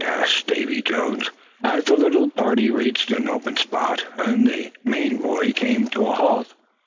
asked Davy Jones, as the little party reached an open spot, and the Maine boy came to a halt.